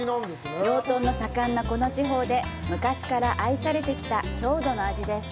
養豚の盛んなこの地方で昔から愛されてきた郷土の味です。